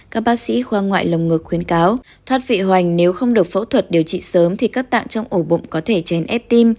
các bác sĩ khoa ngoại lồng ngực khuyến cáo thoát vị hoành nếu không được phẫu thuật điều trị sớm thì các tạng trong ổ bụng có thể chèn ép tim